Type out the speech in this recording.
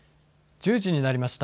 １０時になりました。